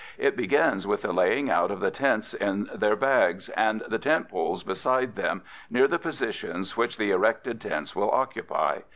It begins with the laying out of the tents in their bags, and the tent poles beside them, near the positions which the erected tents will occupy.